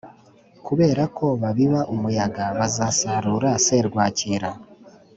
Kubera ko babiba umuyaga bazasarura serwakira